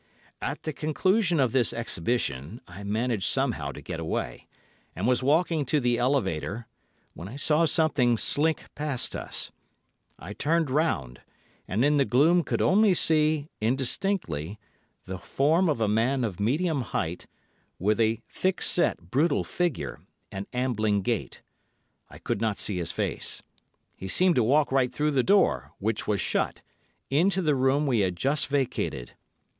"At the conclusion of this exhibition I managed somehow to get away, and was walking to the elevator, when I saw something slink past us. I turned round, and in the gloom could only see, indistinctly, the form of a man of medium height, with a thick set, brutal figure, and ambling gait. I could not see his face. He seemed to walk right through the door, which was shut, into the room we had just vacated.